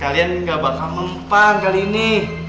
kalian gak bakal mempang kali ini